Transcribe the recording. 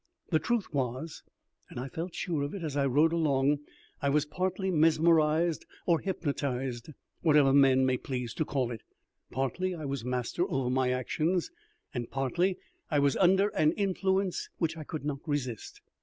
The truth was, and I felt sure of it as I rode along, I was partly mesmerized or hypnotized, whatever men may please to call it. Partly I was master over my actions, and partly I was under an influence which I could not resist.